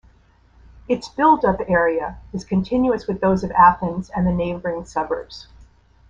Its built-up area is continuous with those of Athens and the neighbouring sburbs.